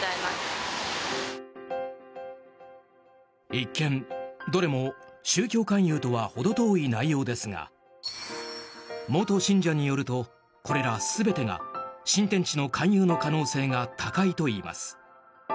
一見、どれも宗教勧誘とは程遠い内容ですが元信者によると、これら全てが新天地の勧誘の可能性が高いといいます。